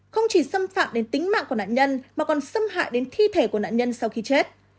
không chỉ xâm phạm đến tính mạng của nạn nhân mà còn xâm hại đến thi thể của nạn nhân sau khi chết